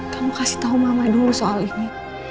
kamu kasih tahu mama dulu soal ini